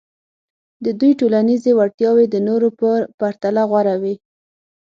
د دوی ټولنیزې وړتیاوې د نورو په پرتله غوره وې.